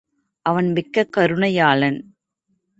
அவன் மிக்க கருணையாளன்.